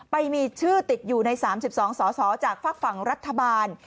ไปมีชื่อติดอยู่ใน๓๒สสจากฝากฝั่งรัฐบาล